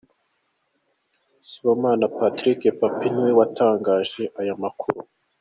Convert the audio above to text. Sibomana Patrick Pappy ni we watangaje aya makuru.